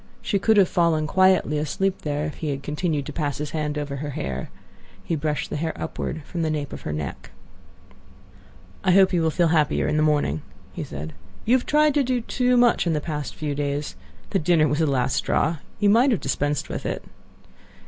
She could have fallen quietly asleep there if he had continued to pass his hand over her hair. He brushed the hair upward from the nape of her neck. "I hope you will feel better and happier in the morning," he said. "You have tried to do too much in the past few days. The dinner was the last straw; you might have dispensed with it."